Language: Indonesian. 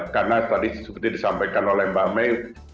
karena tadi seperti disampaikan oleh mbak may